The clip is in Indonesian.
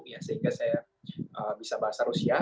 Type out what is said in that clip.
ya sehingga saya bisa bahasa rusia